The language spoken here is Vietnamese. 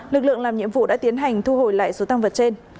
lực lượng làm nhiệm vụ đã tiến hành thu hồi lại số tăng vật trên